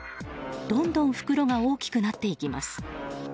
どんどん袋が大きくなっていきます。